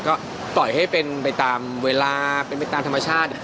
ก็ปล่อยให้เป็นไปตามเวลาเป็นไปตามธรรมชาติ